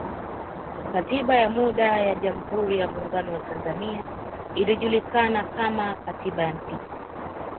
Katiba ya muda ya jamhuri ya muungano wa tanzania ilijulikana kama Katiba ya mpito